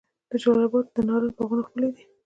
د جلال اباد د نارنج باغونه ښکلي دي.